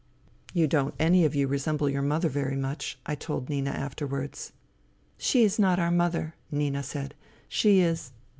" You don't any of you resemble your mother very much," I told Nina afterwards. " She is not our mother," Nina said. " She is